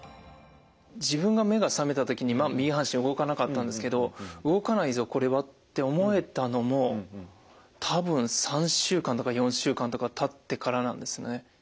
自分が目が覚めた時に右半身動かなかったんですけど「動かないぞこれは」って思えたのも多分３週間とか４週間とかたってからなんですね。